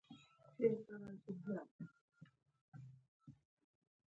سوداګرو او کاروباریانو د خلاق تخریب پر وړاندې خنډونه مات کړل.